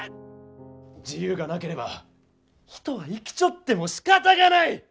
自由がなければ人は生きちょってもしかたがない！